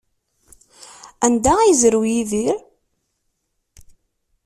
Anda ay yezrew Yidir?